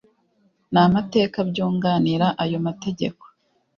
N amateka byunganira ayo mategeko